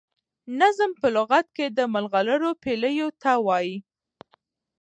نظم په لغت کي د ملغرو پېيلو ته وايي.